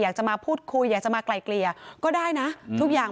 อยากจะมาพูดคุยอยากจะมาไกลเกลี่ยก็ได้นะทุกอย่าง